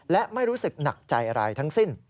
และไม่รู้สึกหนักใจอะไรทั้งสิ้น